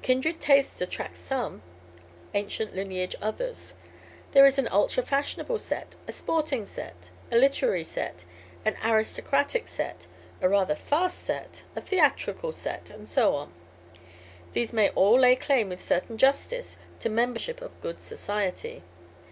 Kindred tastes attract some; ancient lineage others. There is an ultra fashionable set, a sporting set, a literary set, an aristocratic set, a rather 'fast' set, a theatrical set and so on. These may all lay claim with certain justice to membership in good society.